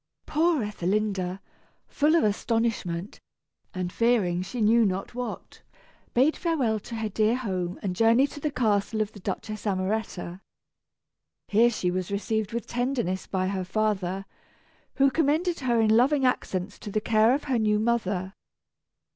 Poor Ethelinda, full of astonishment, and fearing she knew not what, bade farewell to her dear home and journeyed to the castle of the Duchess Amoretta. Here she was received with tenderness by her father, who commended her in loving accents to the care of her new mother.